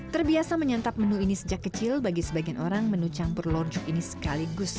terbiasa menyantap menu ini sejak kecil bagi sebagian orang menu campur lorjuk ini sekaligus